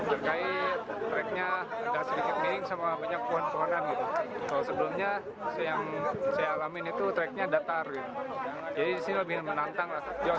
untuk permainan ini tracknya datar jadi disini lebih menantang